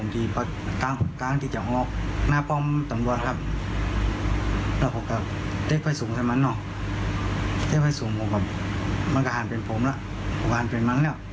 ที่ไฟสูงมันก็หั่นเป็นผมละมันก็หั่นเป็นมันแล้ว